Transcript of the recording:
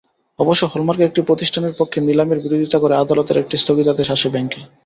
অবশ্য হল-মার্কের একটি প্রতিষ্ঠানের পক্ষে নিলামের বিরোধিতা করে আদালতের একটি স্থগিতাদেশ আসে ব্যাংকে।